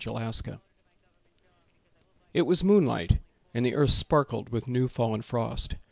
Silas Dement It was moon light, and the earth sparkled With new fallen frost.